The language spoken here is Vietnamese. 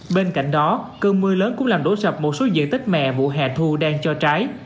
bên cạnh đó cơn mưa lớn cũng làm đổ sập một số diện tích mẹ vụ hè thu đang cho trái